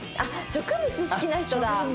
植物好きな人だ。